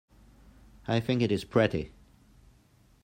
I think it is pretty.